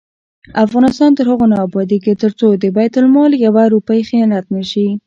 افغانستان تر هغو نه ابادیږي، ترڅو د بیت المال یوه روپۍ خیانت نشي.